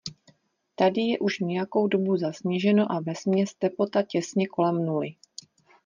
Tady je už nějakou dobu zasněženo a vesměs teplota těsně kolem nuly.